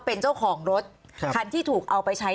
เป็นเจ้าของรถคันที่ถูกเอาไปใช้